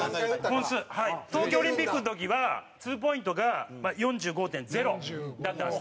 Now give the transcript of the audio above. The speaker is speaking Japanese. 田中：東京オリンピックの時はツーポイントが４５．０だったんですね。